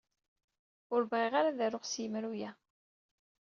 Ur bɣiɣ ara ad aruɣ s yemru-a.